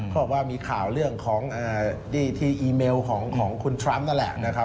เขาบอกว่ามีข่าวเรื่องที่อีเมลของคุณทรัมป์นั่นแหละ